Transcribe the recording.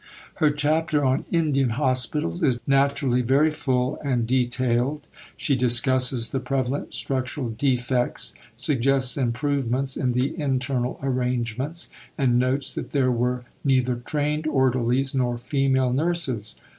Her chapter on "Indian Hospitals" is naturally very full and detailed. She discusses the prevalent structural defects; suggests improvements in the internal arrangements; and notes that there were "neither trained orderlies nor female nurses."